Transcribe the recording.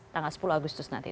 tanggal sepuluh agustus nanti